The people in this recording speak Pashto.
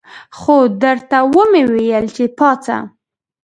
خو درته ومې ویل چې پاڅه.